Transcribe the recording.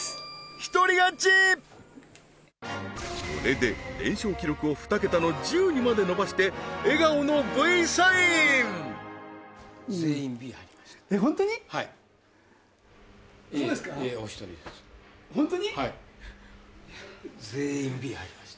一人勝ちこれで連勝記録を２桁の１０にまで伸ばして笑顔のＶサインはいはい全員Ｂ入りました